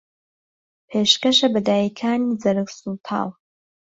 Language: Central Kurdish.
پێشکەشە بە دایکانی جەرگسووتاو